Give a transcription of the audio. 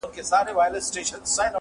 کم اصل ګل که بویوم ډک دي باغونه!!